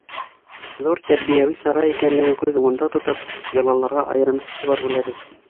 Ҙур тәрбиәүи сара икәнлеген күҙ уңында тотоп, йолаларға айырым иғтибар бүләбеҙ.